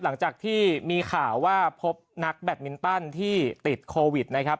หลังจากที่มีข่าวว่าพบนักแบตมินตันที่ติดโควิดนะครับ